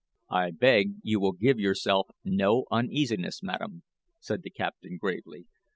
"I beg you will give yourself no uneasiness, madam," said the captain, gravely.